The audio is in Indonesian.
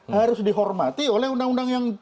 harus dihormati oleh undang undang yang